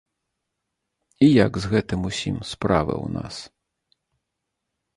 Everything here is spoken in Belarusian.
І як з гэтым усім справы ў нас.